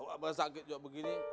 sawa abah sakit juga begini